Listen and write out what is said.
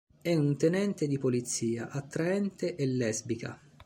È un tenente di polizia, attraente e lesbica.